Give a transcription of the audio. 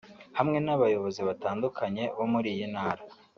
hamwe n’abayobozi batandukanye bo muri iyi ntara